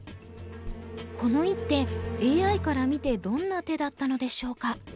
この一手ＡＩから見てどんな手だったのでしょうか？